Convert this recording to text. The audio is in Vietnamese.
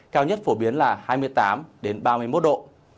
cao nhất phổ biến là hai mươi tám ba mươi một độ